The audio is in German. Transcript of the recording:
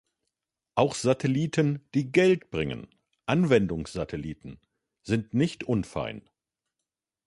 Auch Satelliten, die Geld bringen, Anwendungssatelliten sind nicht unfein.